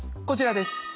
こちらです。